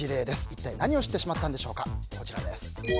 一体何を知ってしまったんでしょうか。